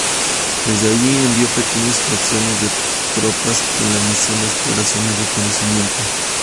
Desde allí envió pequeñas fracciones de tropas con la misión de exploración y reconocimiento.